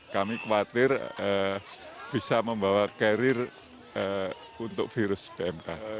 kami khawatir bisa membawa carrier untuk virus pmk